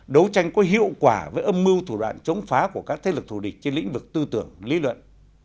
đấu tranh có hiệu quả với âm mưu thủ đoạn chống phá của các thế lực thù địch trên lĩnh vực tư tưởng lý luận